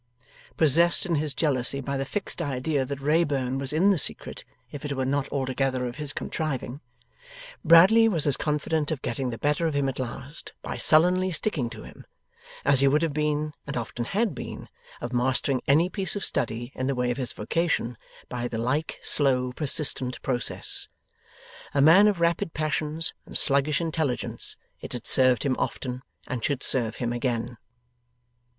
Possessed in his jealousy by the fixed idea that Wrayburn was in the secret, if it were not altogether of his contriving, Bradley was as confident of getting the better of him at last by sullenly sticking to him, as he would have been and often had been of mastering any piece of study in the way of his vocation, by the like slow persistent process. A man of rapid passions and sluggish intelligence, it had served him often and should serve him again.